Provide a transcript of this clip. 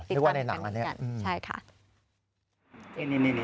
นี่ว่าในหนังอันนี้นะครับใช่ค่ะติดต่ำกันกันกันใช่ค่ะ